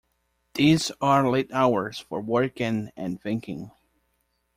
These are late hours for working and thinking.